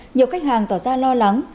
nhiều khách hàng tỏ ra lo lắng